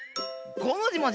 ごもじもじ。